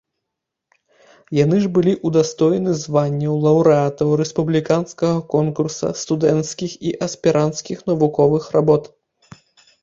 Яны ж былі ўдастоены званняў лаўрэатаў рэспубліканскага конкурса студэнцкіх і аспіранцкіх навуковых работ.